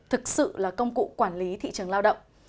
thực sự là công cụ quản lý thị trường lao động